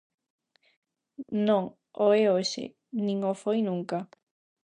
Non o é hoxe, nin o foi nunca.